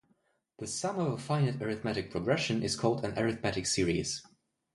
The sum of a finite arithmetic progression is called an arithmetic series.